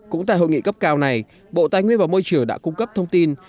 cũng tại hội nghị cấp cao này bộ tài nguyên và môi trường đã cung cấp thông tin